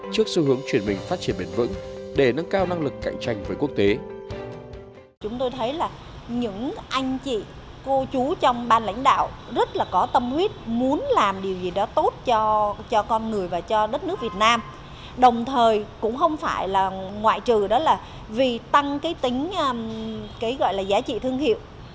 trước xu hướng chuyển mình phát triển bền vững để nâng cao năng lực cạnh tranh với quốc tế